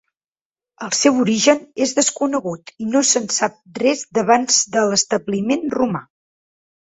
El seu origen és desconegut i no se'n sap res d'abans de l'establiment romà.